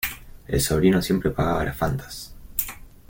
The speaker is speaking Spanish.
El sobrino siempre pagaba las Fantas.